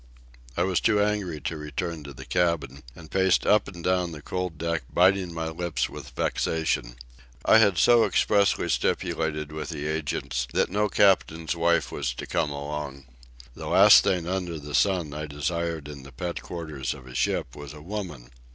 I was too angry to return to the cabin, and paced up and down the cold deck biting my lips with vexation. I had so expressly stipulated with the agents that no captain's wife was to come along. The last thing under the sun I desired in the pet quarters of a ship was a woman.